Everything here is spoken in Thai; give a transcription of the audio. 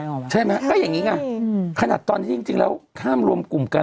ออกมาใช่ไหมก็อย่างงี้น่ะอืมขนาดตอนนี้จริงจริงแล้วห้ามรวมกลุ่มกัน